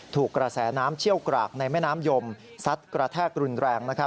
ถูกกระแสน้ำเชี่ยวกรากในแม่น้ำยมซัดกระแทกรุนแรง